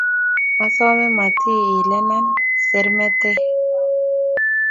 Asome mati ilena sermetek